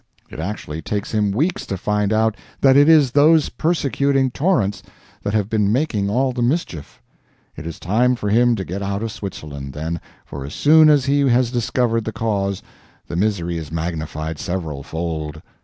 It actually takes him weeks to find out that it is those persecuting torrents that have been making all the mischief. It is time for him to get out of Switzerland, then, for as soon as he has discovered the cause, the misery is magnified several fold.